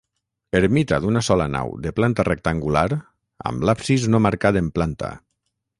Ermita d'una sola nau de planta rectangular amb l'absis no marcat en planta.